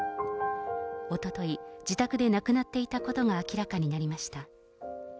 おととい、自宅で亡くなっていたことが明らかになりました。